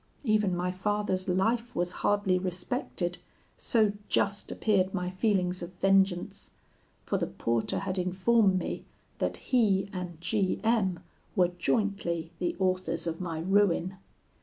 Even my father's life was hardly respected, so just appeared my feelings of vengeance; for the porter had informed me that he and G M were jointly the authors of my ruin.